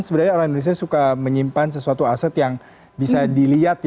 sebenarnya orang indonesia suka menyimpan sesuatu aset yang bisa dilihat